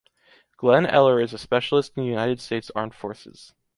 Glenn Eller is a specialist in the United States Armed Forces.